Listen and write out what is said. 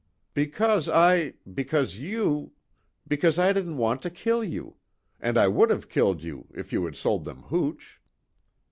"Because I because you because I didn't want to kill you. And I would have killed you if you had sold them hooch."